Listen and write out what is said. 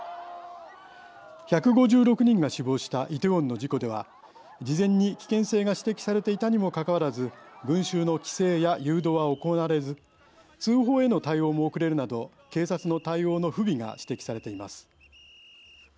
１５６人が死亡したイテウォンの事故では事前に危険性が指摘されていたにもかかわらず群集の規制や誘導は行われず通報への対応も遅れるなど警察の対応の不備が指摘されています。